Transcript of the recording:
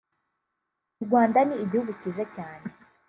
“U Rwanda ni igihugu cyiza cyane